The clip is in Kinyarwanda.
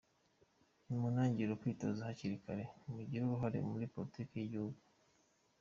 Ati “Mutangire kwitoza hakiri kare, mugire uruhare muri politiki y’igihugu.